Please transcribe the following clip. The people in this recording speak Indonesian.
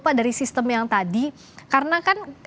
pak dari sistem yang tadi karena kan